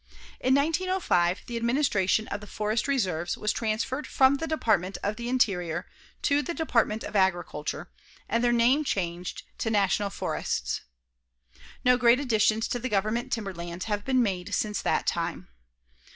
In 1905, the administration of the forest reserves was transferred from the Department of the Interior to the Department of Agriculture, and their name changed to National Forests. No great additions to the government timberlands have been made since that time.